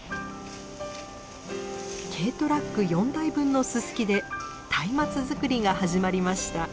軽トラック４台分のススキで松明づくりが始まりました。